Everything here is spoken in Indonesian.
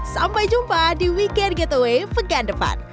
sampai jumpa di weekend getaway pekan depan